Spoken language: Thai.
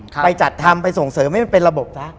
ไปจัดทำไปส่งเสริมอย่างเป็นระบบค่ะ